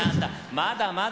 まだまだ。